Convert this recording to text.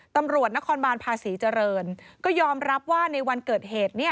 ตำรวจนครบานภาษีเจริญก็ยอมรับว่าในวันเกิดเหตุ